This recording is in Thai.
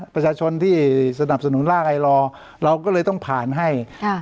ประชาชนที่สนับสนุนร่างไอลอร์เราก็เลยต้องผ่านให้ค่ะ